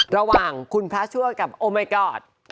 ระหว่างคุณพระชั่วกับโอมายก็อด